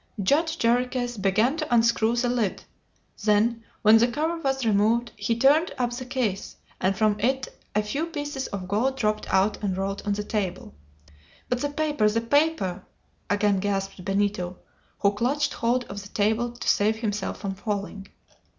Judge Jarriquez began to unscrew the lid; then, when the cover was removed, he turned up the case, and from it a few pieces of gold dropped out and rolled on the table. "But the paper! the paper!" again gasped Benito, who clutched hold of the table to save himself from falling.